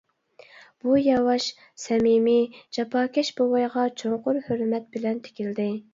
بۇ ياۋاش، سەمىمىي، جاپاكەش بوۋايغا چوڭقۇر ھۆرمەت بىلەن تىكىلدى.